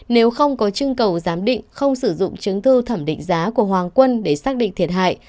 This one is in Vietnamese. nếu không có chưng cầu giám định không sử dụng chứng thư thẩm định giá của hoàng quân để xác định thiệt hại